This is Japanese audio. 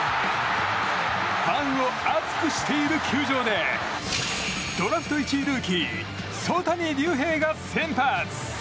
ファンを熱くしている球場でドラフト１位ルーキー曽谷龍平が先発。